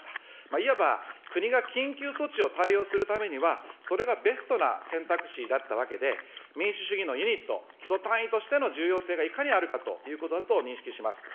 いわば、国が緊急措置を対応するためには、それがベストな選択肢だったわけで、民主主義のユニット、基礎単位としての重要性が、いかにあるかということだと認識します。